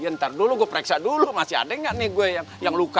ntar dulu gue pereksa dulu masih ada yang nggak nih gue yang luka